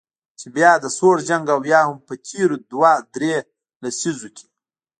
چې بیا د سوړ جنګ او یا هم په تیرو دوه درې لسیزو کې